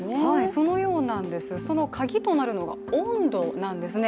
そのようなんです、そのカギとなるのが温度なんですね。